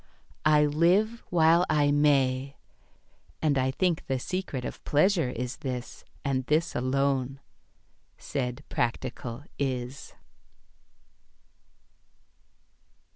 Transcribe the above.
I live while I may, "And I think the secret of pleasure is this. And this alone," said practical Is.